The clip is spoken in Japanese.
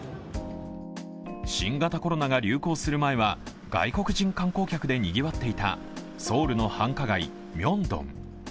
新型コロナが流行する前は外国人観光客でにぎわっていたソウルの繁華街ミョンドン。